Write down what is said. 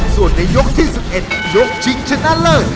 ส่วนในยกที่๑๑ยกชิงชนะเลิศ